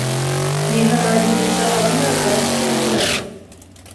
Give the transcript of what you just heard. Yihanangiriza Abanyagalati agira ati